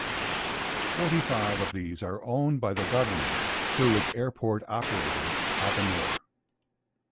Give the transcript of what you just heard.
Forty-five of these are owned by the government through its airport operator, Avinor.